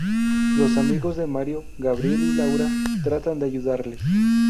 Los amigos de Mario, Gabriel y Laura, tratan de ayudarle.